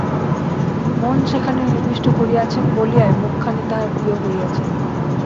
মন সেখানে নিবিষ্ট করিয়াছেন বলিয়াই মুখখানি তাঁহার প্রিয় হইয়াছে।